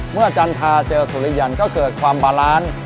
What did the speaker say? อาจารย์ทาเจอสุริยันก็เกิดความบาลานซ์